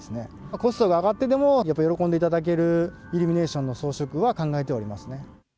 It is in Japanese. コストが上がってでも、やっぱり喜んでいただけるイルミネーションの装飾は考えておりま